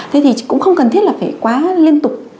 thế thì cũng không cần thiết là phải quá liên tục